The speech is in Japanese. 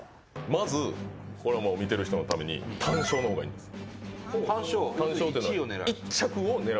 まず、これは見てる人のために、単勝の方がいいんです。